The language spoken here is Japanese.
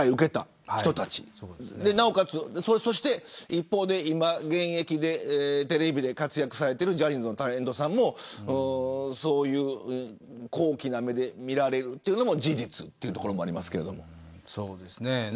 一方で今、現役でテレビで活躍しているジャニーズのタレントさんもそういう好奇な目で見られるというのも事実というところがありますが。